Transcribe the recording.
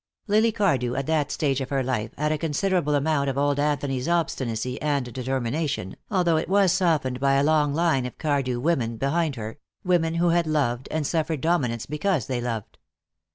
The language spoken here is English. Lily Cardew at that stage of her life had a considerable amount of old Anthony's obstinacy and determination, although it was softened by a long line of Cardew women behind her, women who had loved, and suffered dominance because they loved.